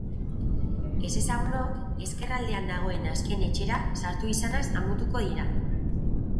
Ezezagunok ezker aldean dagoen azken etxera sartu izanaz damutuko dira.